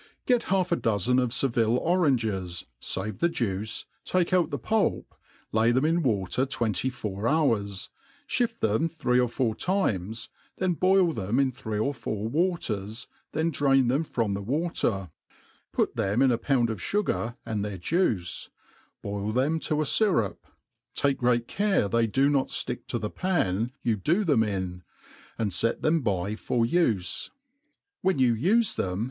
GET half a dozen of Seville oranges, fave the juice, take out the pulp, lay them in water twenty*four hours, fliift them three or four times, then boil them in three or four waiters, then drain them from the water, put them in a pound of fugar, and their juice, boil them to a fyrup, take great care they do not ftick to the pan you do them in, and fet them by for ufe. 9 When MADE PLAIN AND EASY. 129 Wben you ufe them^.